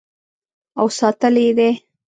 او ساتلی یې دی.